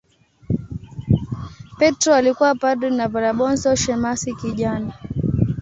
Petro alikuwa padri na Valabonso shemasi kijana.